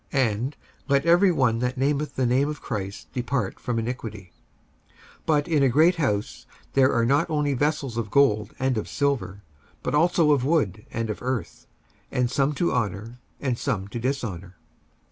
And, Let every one that nameth the name of Christ depart from iniquity. 55:002:020 But in a great house there are not only vessels of gold and of silver, but also of wood and of earth; and some to honour, and some to dishonour.